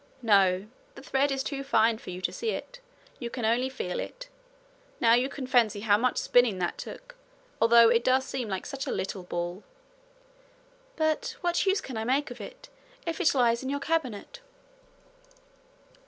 'No. The thread is too fine for you to see it. You can only feel it. Now you can fancy how much spinning that took, although it does seem such a little ball.' 'But what use can I make of it, if it lies in your cabinet?'